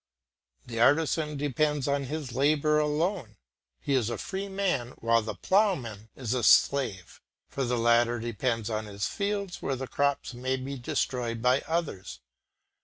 The artisan depends on his labour alone, he is a free man while the ploughman is a slave; for the latter depends on his field where the crops may be destroyed by others.